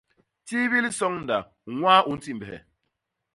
Tibil soñda ñwaa u ntimbhe.